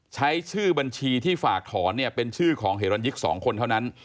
ใช้ชื่อบัญชีที่ฝากถอนเนี่ยเป็นชื่อของเหรันยิก๒คนเท่านั้น